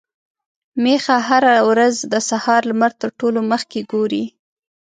ميښه هره ورځ د سهار لمر تر ټولو مخکې ګوري.